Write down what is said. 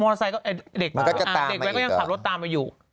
เด็กแม่ก็ยังขับรถตามไปอยู่